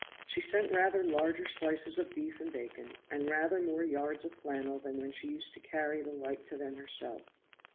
She sent rather larger slices of beef and bacon, and rather more yards of flannel than when she used to carry the like to them herself.